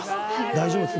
大丈夫です